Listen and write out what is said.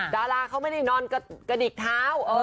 ดาราเขาไม่ได้นอนกระดิกเท้า